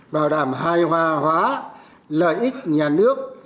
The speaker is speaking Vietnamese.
bảo đảm hài hòa hóa lợi ích nhà nước